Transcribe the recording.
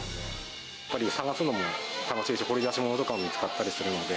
やっぱり探すのも楽しいし、掘り出し物とかも見つかったりするので。